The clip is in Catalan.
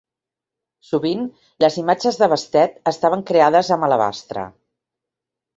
Sovint, les imatges de Bastet estaven creades amb alabastre.